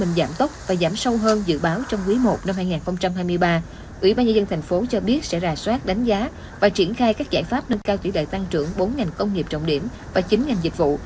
trong bức cảnh kinh tế tp hcm giảm tốc và giảm sâu hơn dự báo trong quý một năm hai nghìn hai mươi ba ủy ban nhà dân tp hcm cho biết sẽ rà soát đánh giá và triển khai các giải pháp nâng cao chỉ đại tăng trưởng bốn ngành công nghiệp trọng điểm và chín ngành dịch vụ